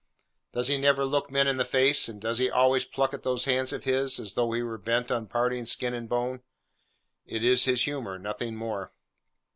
Does he never look men in the face, and does he always pluck at those hands of his, as though he were bent on parting skin and bone? It is his humour: nothing more.